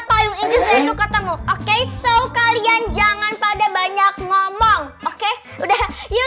paling ingin itu ketemu oke so kalian jangan pada banyak ngomong oke udah yuk